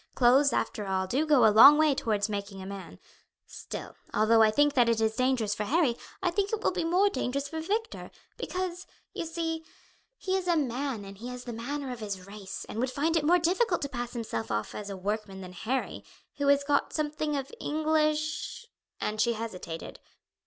Clothes, after all, do go a long way towards making a man. Still, although I think that it is dangerous for Harry, I think it will be more dangerous for Victor; because, you see, he is a man and he has the manner of his race, and would find it more difficult to pass himself off as a workman than Harry, who has got something of English" and she hesitated.